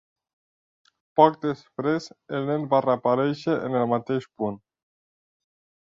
Poc després, el nen va reaparèixer en el mateix punt.